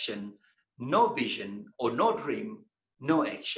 tidak ada vision atau mimpi tidak ada aksi